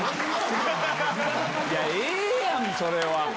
ええやんそれは。